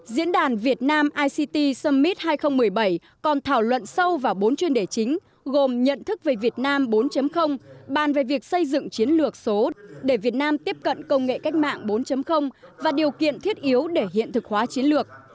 diễn đàn việt nam ict summit hai nghìn một mươi bảy còn thảo luận sâu vào bốn chuyên đề chính gồm nhận thức về việt nam bốn bàn về việc xây dựng chiến lược số để việt nam tiếp cận công nghệ cách mạng bốn và điều kiện thiết yếu để hiện thực hóa chiến lược